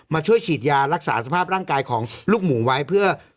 ช่วยฉีดยารักษาสภาพร่างกายของลูกหมูไว้เพื่อ